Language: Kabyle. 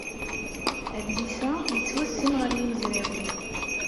Adlis-a yettwassen ɣer yimezrawen.